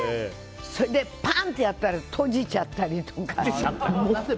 それでパーンとやったら閉じちゃったりとか。